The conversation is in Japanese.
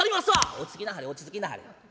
「落ち着きなはれ落ち着きなはれ。